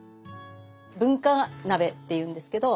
文化鍋っていうんですけど。